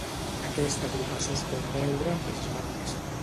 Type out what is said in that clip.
Aquesta agrupació es pot veure amb prismàtics.